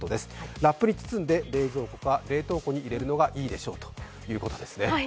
ラップに包んで冷蔵庫か冷凍庫に入れるのがいいでしょうということですね。